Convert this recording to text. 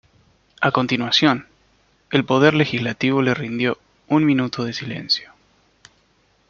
A continuación, el Poder Legislativo le rindió un minuto de silencio.